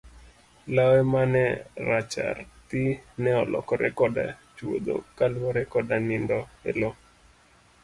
Lawe mane rachar thii ne olokore koda chuodho kaluwore koda nindo e loo.